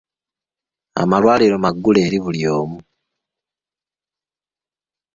Amalwaliro maggule eri buli omu.